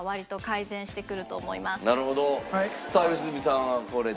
さあ良純さんはこれで。